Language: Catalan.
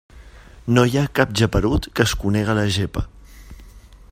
No hi ha cap geperut que es conega la gepa.